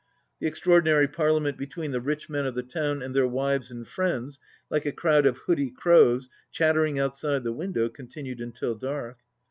The extraordi nary parliament between the rich men of the town and their wives and friends, like a crowd of 'hoodie crows, chattering outside the window, continued until dark.